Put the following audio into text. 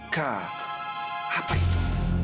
kak apa itu